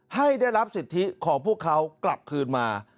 ให้ได้รับสิทธิของพวกเขากลับคืนมา